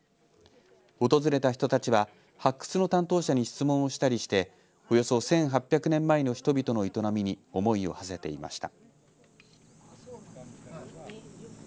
訪れた人たちは発掘の担当者に質問をしたりしておよそ１８００年前の人々の営みに思いをはせていました。